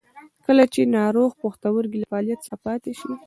کله چې د ناروغ پښتورګي له فعالیت څخه پاتې شي.